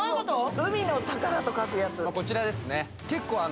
海の宝と書くやつこちらですね